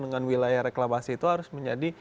dengan wilayah reklamasi itu harus menjadi